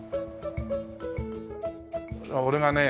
俺がね